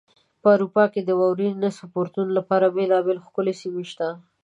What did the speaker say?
په اروپا کې د واورین سپورتونو لپاره بېلابېلې ښکلې سیمې شته.